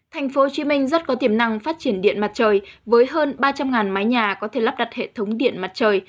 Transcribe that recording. thành phố hồ chí minh rất có tiềm năng phát triển điện mặt trời với hơn ba trăm linh mái nhà có thể lắp đặt hệ thống điện mặt trời